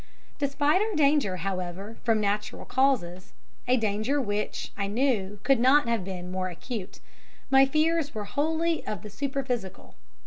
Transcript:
Despite our danger, however, from natural causes a danger which, I knew, could not have been more acute my fears were wholly of the superphysical.